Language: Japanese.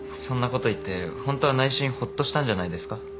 そんなこと言ってホントは内心ホッとしたんじゃないですか？